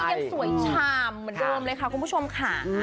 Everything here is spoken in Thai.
ยังสวยชามเหมือนเดิมเลยค่ะคุณผู้ชมค่ะ